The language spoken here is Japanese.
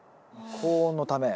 高温のため。